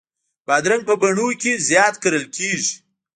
بادرنګ په بڼو کې زیات کرل کېږي.